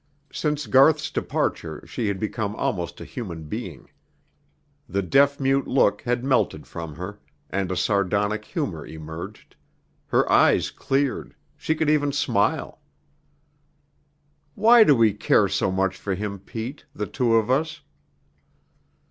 Since Garth's departure she had become almost a human being. The deaf mute look had melted from her, and a sardonic humor emerged; her eyes cleared; she could even smile. "Why do we care so much for him, Pete the two of us?"